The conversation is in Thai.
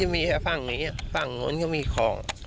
มีแต่ฝั่งนี้ฝั่งนู้นก็มีของ